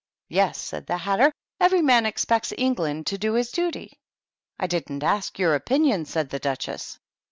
"Yes," said the Hatter, "every man expects England to do his duty." "I didn't ask your opinion," said the Duch ess.